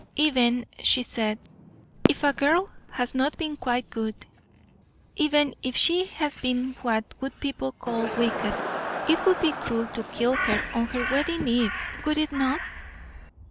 "Even," she said, "if a girl has not been quite good, even if she has been what good people call wicked, it would be cruel to kill her on her wedding eve, would it not?"